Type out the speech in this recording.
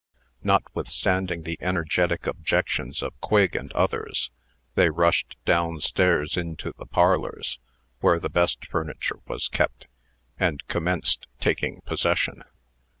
Notwithstanding the energetic objections of Quigg and others, they rushed down stairs into the parlors, where the best furniture was kept, and commenced, taking possession.